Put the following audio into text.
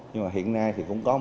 nhưng mà hiện nay thì cũng không có